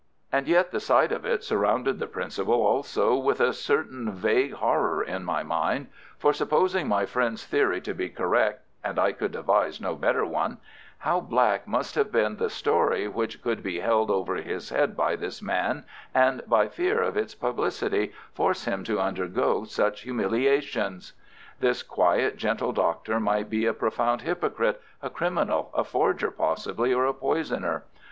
And yet the sight of it surrounded the principal also with a certain vague horror in my mind, for supposing my friend's theory to be correct—and I could devise no better one—how black must have been the story which could be held over his head by this man and, by fear of its publicity, force him to undergo such humiliations. This quiet, gentle Doctor might be a profound hypocrite, a criminal, a forger possibly, or a poisoner.